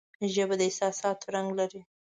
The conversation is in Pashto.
ژبه د احساساتو رنگ لري